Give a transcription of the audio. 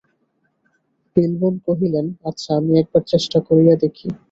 বিল্বন কহিলেন, আচ্ছা, আমি একবার চেষ্টা করিয়া দেখি।